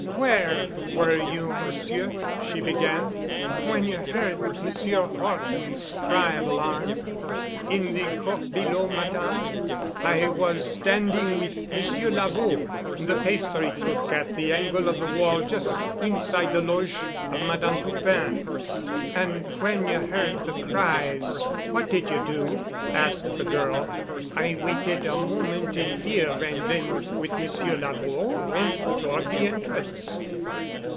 "Where were you, Monsieur," she began, "when you heard Monsieur Horton's cry of alarm?" "In the court below, Madame. I was standing with Monsieur Lavaud, the pastry cook, at the angle of the wall just inside the Loge of Madame Toupin——" "And when you heard the cries what did you do?" asked the girl. "I waited a moment in fear and then with Monsieur Lavaud went toward the entrance."